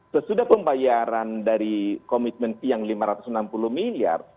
sesudah pembayaran dari komitmen yang lima ratus enam puluh miliar